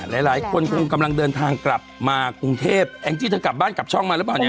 หลายคนคงกำลังเดินทางกลับมากรุงเทพแองจี้เธอกลับบ้านกลับช่องมาหรือเปล่าเนี่ย